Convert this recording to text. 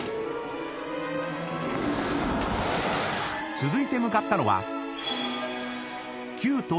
［続いて向かったのは］